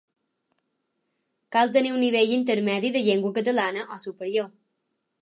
Cal tenir un nivell intermedi de llengua catalana o superior.